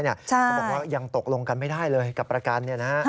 เขาบอกว่ายังตกลงกันไม่ได้เลยกับประกัน